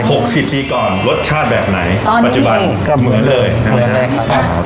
หกสิบปีก่อนรสชาติแบบไหนตอนนี้ก็เหมือนเลยครับครับ